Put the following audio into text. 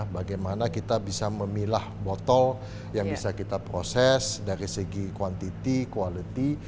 bagaimana kita bisa memilah botol yang bisa kita proses dari segi kuantiti quality